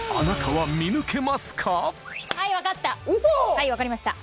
はい分かりました。